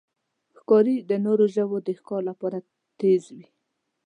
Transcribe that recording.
ښکاري د نورو ژوو د ښکار لپاره تیز وي.